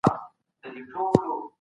ايا ته مځکي ته ګورې؟